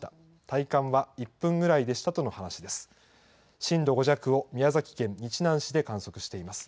体感は１分ぐらいでしたとの話です。